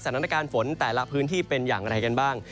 สถานการณ์ฝนแต่ละพื้นที่เป็นอย่างไรกันบ้าง